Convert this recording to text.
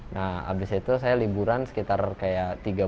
nah abis itu saya liburan sekitar kayak tiga bulan